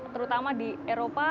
terutama di eropa